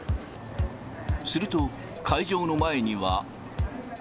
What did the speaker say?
すると、会場の前には。